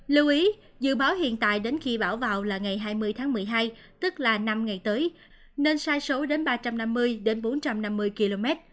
lưu ý dự báo hiện tại đến khi bão vào là ngày hai mươi tháng một mươi hai tức là năm ngày tới nên sai số đến ba trăm năm mươi bốn trăm năm mươi km